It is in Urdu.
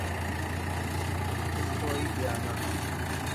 استوائی گیانا